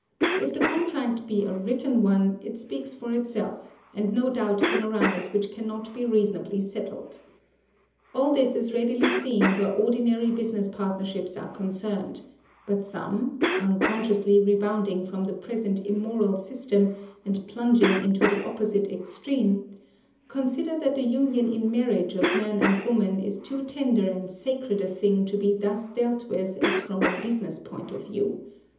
If the contract be a written one, it speaks for itself, and no doubt can arise which cannot be reasonably settled. All this is readily seen where ordinary business partnerships are concerned, but some unconsciously rebounding from the present immoral system, and plunging into the opposite extreme consider that the union in marriage of man and woman is too tender and sacred a thing to be thus dealt with as from a business point of view.